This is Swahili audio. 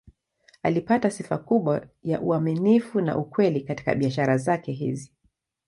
Alipata sifa kubwa ya uaminifu na ukweli katika biashara zake hizi.